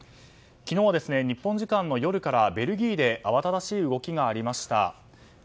昨日、日本時間の夜からベルギーで慌ただしい動きがありました。